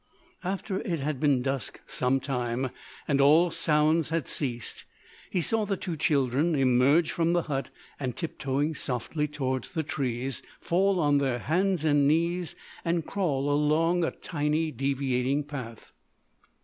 After it had been dusk some time, and all sounds had ceased, he saw the two children emerge from the hut, and, tiptoeing softly towards the trees, fall on their hands and knees and crawl along a tiny, deviating path.